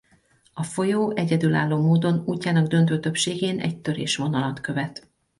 A folyó egyedülálló módon útjának döntő többségén egy törésvonalat követ.